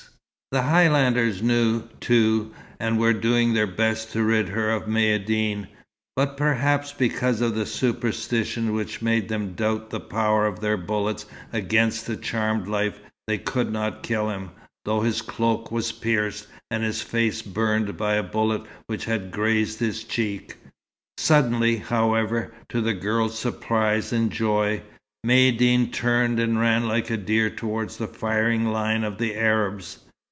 The Highlanders knew, too, and were doing their best to rid her of Maïeddine, but, perhaps because of the superstition which made them doubt the power of their bullets against a charmed life, they could not kill him, though his cloak was pierced, and his face burned by a bullet which had grazed his cheek. Suddenly, however, to the girl's surprise and joy, Maïeddine turned and ran like a deer toward the firing line of the Arabs.